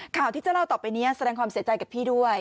ข่าวที่จะเล่าต่อไปนี้แสดงความเสียใจกับพี่ด้วย